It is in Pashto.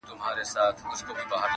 د انارکلي اوښکو ته-!